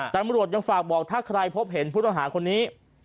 ตำรวจยังฝากบอกถ้าใครพบเห็นผู้ต้องหาคนนี้